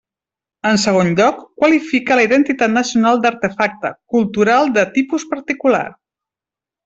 En segon lloc, qualifica la identitat nacional d'artefacte «cultural de tipus particular».